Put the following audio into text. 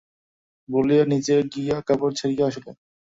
বলিয়া নিজে গিয়া কাপড় ছাড়িয়া আসিলেন।